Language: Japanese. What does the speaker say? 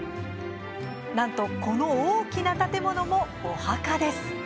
なんと、この大きな建物もお墓です。